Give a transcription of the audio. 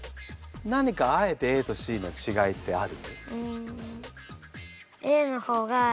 何かあえてＡとＣの違いってある？